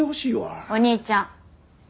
お兄ちゃん。